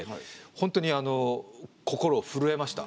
本当に心震えました。